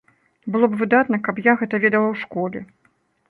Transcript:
Было б выдатна, каб я гэта ведала ў школе.